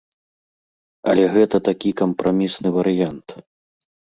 Але гэта такі кампрамісны варыянт.